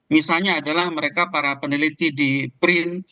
misalnya adalah mereka para peneliti di print